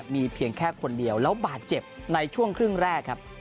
มีเพียงแค่คนเดียวแล้วบาดเจ็บในช่วงครึ่งแรกครับ